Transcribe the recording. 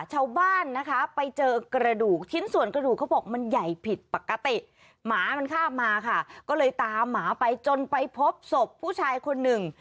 ชาวบ้านนะคะไปเจอกระดูกชิ้นส่วนกระดูกเขาบอกมันใหญ่ผิดปกติหมามันข้ามมาค่ะก็เลยตามหมาไปจนไปพบศพผู้ชายคนหนึ่ง